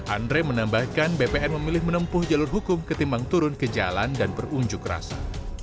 andre menambahkan bpn memilih menempuh jalur hukum ketimbang turun ke jalan dan berunjuk rasa